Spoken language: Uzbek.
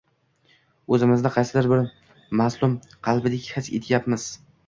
o‘zimizni qaysidir bir mazlum qabiladek his etyapmiz